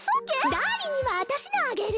ダーリンにはあたしのあげる。